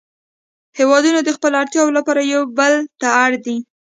هیوادونه د خپلو اړتیاوو لپاره یو بل ته اړ دي